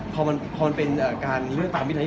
พอมันเป็นการนี้